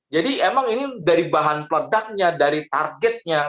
jadi emang ini dari bahan peledaknya dari targetnya